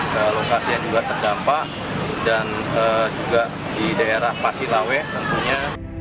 ke lokasi yang juga terdampak dan juga di daerah pasilawe tentunya